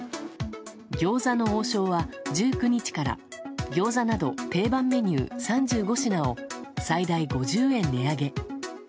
餃子の王将は１９日から餃子など、定番メニュー３５品を最大５０円値上げ。